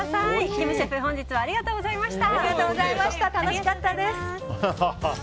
キムシェフ本日はありがとうございました。